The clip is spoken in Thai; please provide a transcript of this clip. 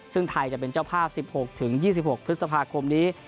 ซึ่งไทยจะเป็นเจ้าภาพ๑๖๒๖พฤษภาคมนี้